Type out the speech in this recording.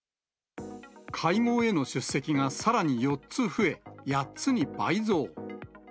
会合への出席がさらに４つ増え、８つに倍増。